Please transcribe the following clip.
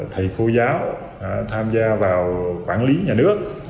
thầy cô giáo tham gia vào quản lý nhà nước